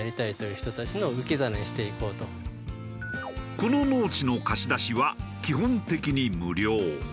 この農地の貸し出しは基本的に無料。